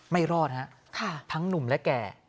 ไม่รอดฮะทั้งหนุ่มและแก่